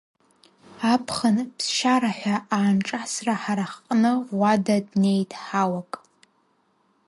Аԥхын ԥсшьара ҳәа аанҿасра ҳара ҳҟны Ӷәада днеит ҳауак…